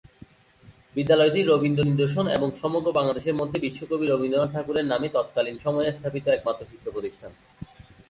বিদ্যালয়টি রবীন্দ্র নিদর্শন এবং সমগ্র বাংলাদেশের মধ্যে বিশ্বকবি রবীন্দ্রনাথ ঠাকুরের নামে তৎকালিন সময়ে স্থাপিত একমাত্র শিক্ষা প্রতিষ্ঠান।